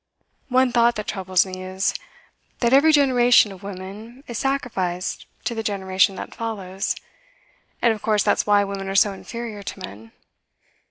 One thought that troubles me is, that every generation of women is sacrificed to the generation that follows; and of course that's why women are so inferior to men.